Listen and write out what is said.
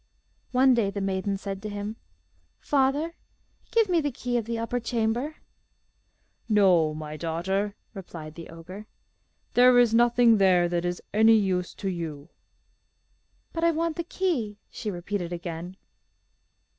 One day the maiden said to him, 'Father, give me the key of the upper chamber.' 'No, my daughter,' replied the ogre. 'There is nothing there that is any use to you.' 'But I want the key,' she repeated again.